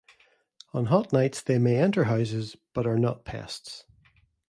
On hot nights they may enter houses, but are not pests.